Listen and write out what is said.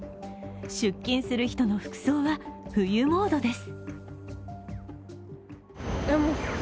出勤する人の服装は冬モードです。